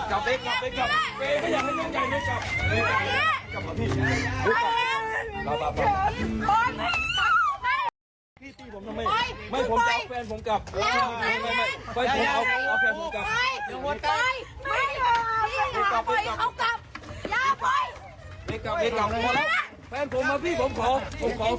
เอาแฟนผมกลับจัยให้มันไปไปไป